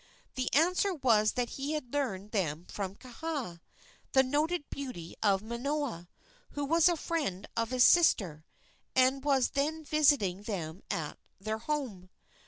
The answer was that he had learned them from Kaha, the noted beauty of Manoa, who was a friend of his sister, and was then visiting them at their home.